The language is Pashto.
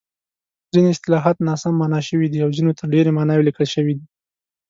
ځیني اصطلاحات ناسم مانا شوي دي او ځینو ته ډېرې ماناوې لیکل شوې دي.